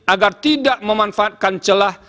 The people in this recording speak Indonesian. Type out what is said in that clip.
agar tidak memanfaatkan celah